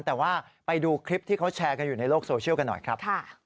แต่ว่าไปดูคลิปที่เขาแชร์กันอยู่ในโลกโซเชียลกันหน่อยครับ